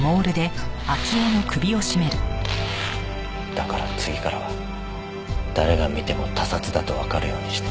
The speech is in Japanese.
だから次からは誰が見ても他殺だとわかるようにして。